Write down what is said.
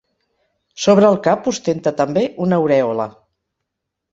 Sobre el cap ostenta també una aurèola.